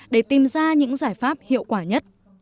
để tìm ra những giải pháp hiệu quả nhất